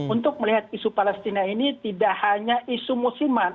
untuk melihat isu palestina ini tidak hanya isu musiman